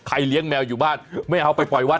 เลี้ยงแมวอยู่บ้านไม่เอาไปปล่อยวัด